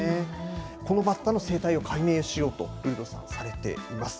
このバッタの生態を解明しようと、ウルドさん、されています。